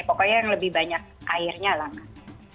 pokoknya yang lebih banyak airnya lah